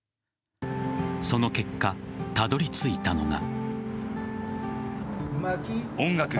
その結果、たどり着いたのが。